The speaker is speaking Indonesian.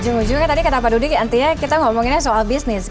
ujung ujungnya tadi kata pak dudi nanti ya kita ngomongin soal bisnis